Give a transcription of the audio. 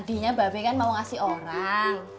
tadinya babai kan mau ngasih orang